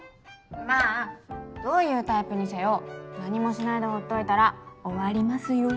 まあどういうタイプにせよ何もしないでほっといたら終わりますよ。